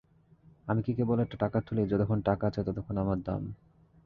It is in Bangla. আমি কি কেবল একটা টাকার থলি, যতক্ষণ টাকা আছে ততক্ষণ আমার দাম।